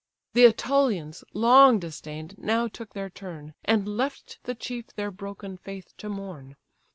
The Ætolians, long disdain'd, now took their turn, And left the chief their broken faith to mourn.